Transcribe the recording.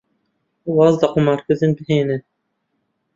واز لە قومارکردن بهێنن.